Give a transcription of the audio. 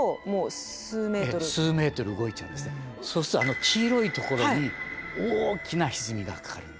そうするとあの黄色いところに大きなひずみが。